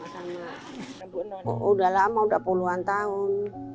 sudah lama sudah puluhan tahun